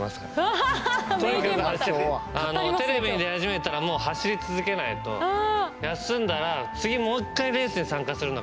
あのテレビに出始めたらもう走り続けないと休んだら次もう一回レースに参加するのがすごく大変。